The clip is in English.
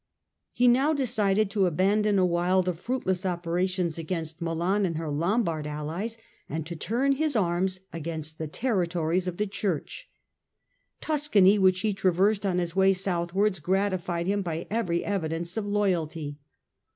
He now decided to abandon awhile the fruitless opera tions against Milan and her Lombard allies and to turn his arms against the territories of the Church. Tuscany, which he traversed on his way southwards, gratified him by every evidence of loyalty.